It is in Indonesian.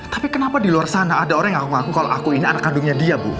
tapi kenapa di luar sana ada orang yang ngawal kalau aku ini anak kandungnya dia bu